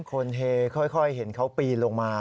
คนเฮค่อยเห็นเขาปีนลงมา